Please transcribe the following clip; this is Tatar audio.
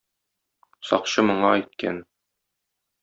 Сакчы моңа әйткән